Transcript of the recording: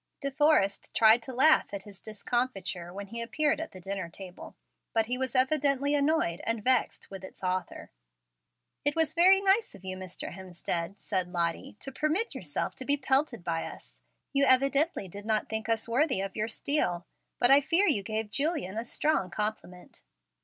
De Forrest tried to laugh at his discomfiture when he appeared at the dinner table, but he was evidently annoyed and vexed with its author. "It was very nice of you, Mr. Hemstead," said Lottie, "to permit youself to be pelted by us. You evidently did not think us worthy of your steel. But I fear you gave Julian a strong compliment."